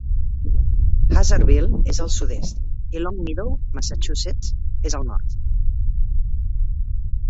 Hazardville és al sud-est, i Longmeadow, Massachusetts, al nord.